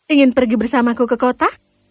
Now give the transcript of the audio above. ingin pergi bersamaku ke kota